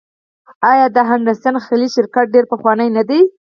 آیا د هډسن خلیج شرکت ډیر پخوانی نه دی؟